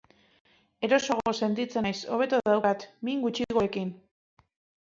Erosoago sentitzen naiz, hobeto daukat, min gutxiagorekin.